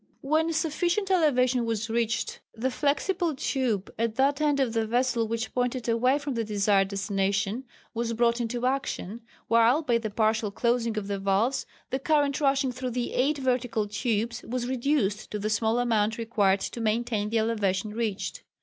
When a sufficient elevation was reached the flexible tube at that end of the vessel which pointed away from the desired destination, was brought into action, while by the partial closing of the valves the current rushing through the eight vertical tubes was reduced to the small amount required to maintain the elevation reached.